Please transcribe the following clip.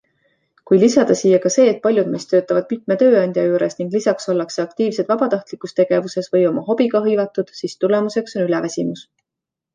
Kui lisada siia ka see, et paljud meist töötavad mitme tööandja juures ning lisaks ollakse aktiivsed vabatahtlikus tegevuses või oma hobiga hõivatud, siis tulemuseks on üleväsimus.